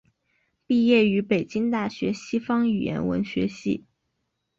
毕业于北京大学西方语言文学系。